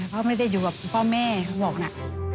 เขาไม่ได้อยู่กับพ่อแม่เขาบอกนะ